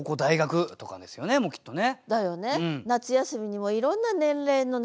もうきっとね。